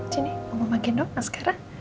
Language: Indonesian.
sini mau bawa gendong naskara